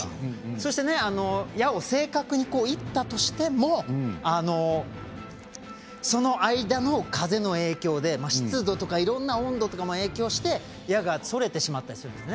そして矢を正確に射ったとしてもその間の風の影響で湿度とか、温度かも影響して矢がそれてしまったりするんです。